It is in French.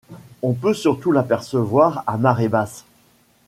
On peut surtout l'apercevoir à marée basse.